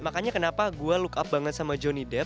makanya kenapa gue look up banget sama johnny debt